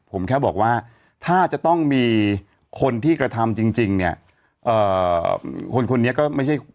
ผมแค่บอกว่าถ้าจะต้องมีคนที่กระทำจริงเนี่ยคนคนนี้ก็ไม่ใช่